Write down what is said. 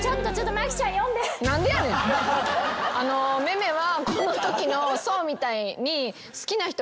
「めめは」